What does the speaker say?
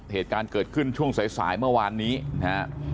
เหตุการณ์เกิดขึ้นช่วงสายสายเมื่อวานนี้นะฮะ